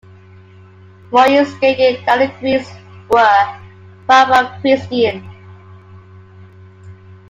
Moyes stated that the Greens were "far more Christian".